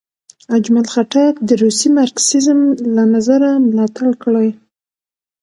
اجمل خټک د روسي مارکسیزم له نظره ملاتړ کړی.